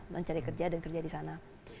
mencari kerja dan kerja di sana